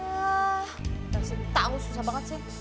ah gak sih tau susah banget sih